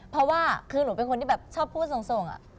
เพราะว่าคือหนูเป็นคนที่แบบชอบพูดส่ง